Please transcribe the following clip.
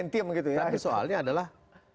tapi soalnya adalah